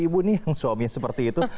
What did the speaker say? ibu ini yang suaminya seperti itu